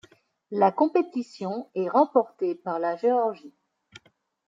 La compétition est remportée par la Géorgie.